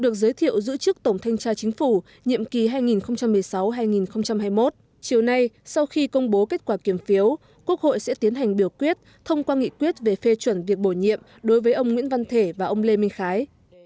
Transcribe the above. chiều nay sau khi công bố kết quả kiểm phiếu quốc hội sẽ tiến hành biểu quyết thông qua nghị quyết về phê chuẩn việc bổ nhiệm đối với ông nguyễn văn thể và ông lê minh khái